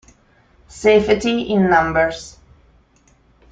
Safety in Numbers